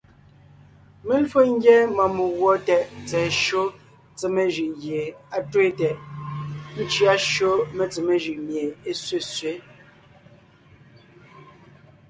Mé lwo ńgyá mɔɔn meguɔ tɛʼ tsɛ̀ɛ shÿó tsemé jʉʼ gie á twéen tɛʼ, ńcʉa shÿó metsemé jʉʼ mie é sẅesẅě.